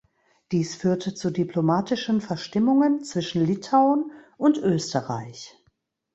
Dies führte zu diplomatischen Verstimmungen zwischen Litauen und Österreich.